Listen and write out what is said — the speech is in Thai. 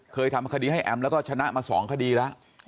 เคยทำคดีให้แอมแล้วก็ชนะมา๒คดีแล้ว